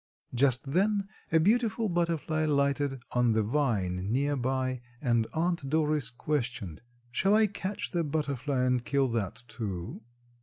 Just then a beautiful butterfly lighted on the vine near by and Aunt Doris questioned, "Shall I catch the butterfly and kill that, too?"